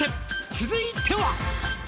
「続いては」